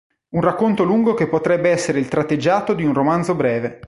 Un racconto lungo che potrebbe essere il tratteggiato di un romanzo breve.